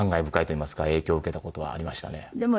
深いといいますか影響を受けた事はありましたね。